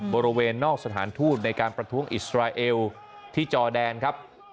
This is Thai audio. บริเวณนอกสถานทูตในการประท้วงอิสราเอลที่จอแดนครับ